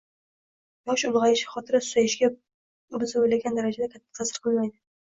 Yosh ulg‘ayishi xotira susayishiga biz o‘ylagan darajada katta ta’sir qilmaydi.